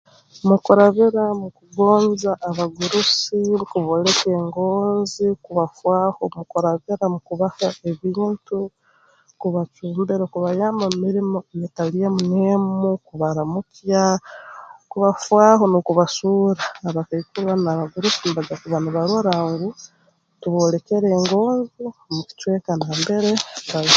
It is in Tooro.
Mukurabira mu kugonza abagurusi kubooleka engonzi kubafaaho mukukuragana mukabaza ebintu kubacumbira n'okubayamba mu mirimo eyeetali emu n'emu kubaramukya kubafaaho n'okubasuura abakaikuru banu n'abagurusi nibaija kuba nibarora ngu tuboolekere engonzi mu kicweka nambere bali